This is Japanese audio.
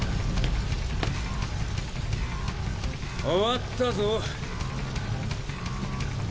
終わったぞ。